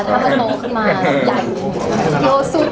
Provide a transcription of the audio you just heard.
ถ้ามันโตขึ้นมาใหญ่พี่โอสู้ต่อไป